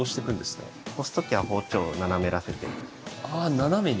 斜めに。